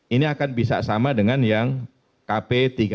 ini akan bisa sama dengan yang kp tiga ratus empat puluh delapan